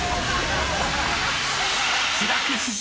［志らく師匠